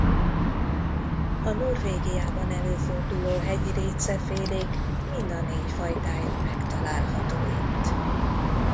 A Norvégiában előforduló hegyi récefélék mind a négy fajtája megtalálható itt.